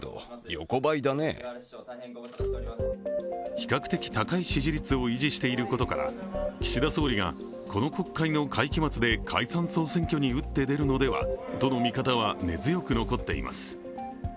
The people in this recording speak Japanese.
比較的高い支持率を維持していることから岸田総理がこの国会の会期末で解散総選挙に打って出るのではとの見方は根強く残っています。